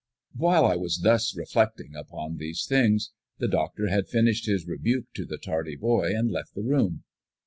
While I was reflecting upon these things the Doctor had finished his rebuke to the tardy boy and left the room.